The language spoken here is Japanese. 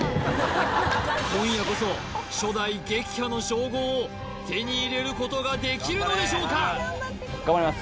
今夜こそ初代撃破の称号を手に入れることができるのでしょうか？